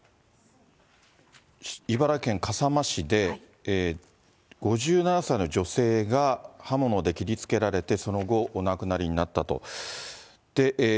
茨城県笠間市で、５７歳の女性が刃物で切りつけられて、その後、お亡くなりになったと。